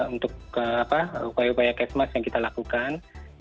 untuk upaya upaya kesmas yang kita lakukan